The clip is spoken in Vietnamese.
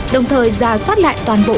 đồng thời ra soát lại toàn bộ